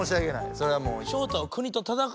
それはもう。